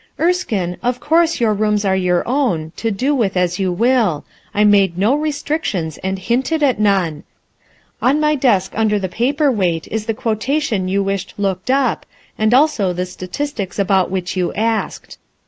"Erskine, of course your rooms are your own, to do with as you Will. I made no restrictions and hinted at none. On my desk under the pa per weight is the quotation you wished looked up, and also the statistics about which you asked."